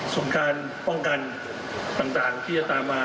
ส่วนการป้องกันต่างที่จะตามมา